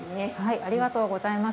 ありがとうございます。